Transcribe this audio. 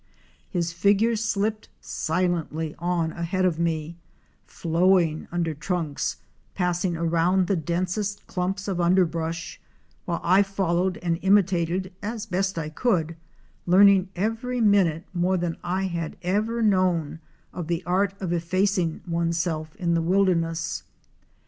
His figure slipped silently on ahead of me, flowing under trunks, passing around the densest clumps of underbrush, while I followed and imitated as best I could, learning every minute more than I had ever known of the art of effacing oneself in the wilderness.